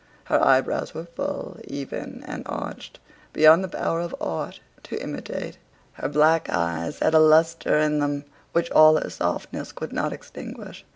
Her eyebrows were full, even, and arched beyond the power of art to imitate. Her black eyes had a lustre in them, which all her softness could not extinguish.